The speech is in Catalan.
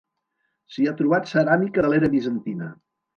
S'hi ha trobat ceràmica de l'era bizantina.